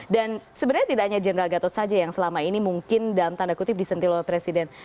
dan sebenarnya tidak hanya general gatot saja yang selama ini mungkin dalam tanda kutip disentil oleh presiden